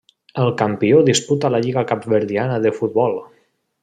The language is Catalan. El campió disputa la lliga capverdiana de futbol.